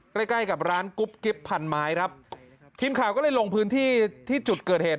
ใกล้ใกล้กับร้านกุ๊บกิ๊บพันไม้ครับทีมข่าวก็เลยลงพื้นที่ที่จุดเกิดเหตุ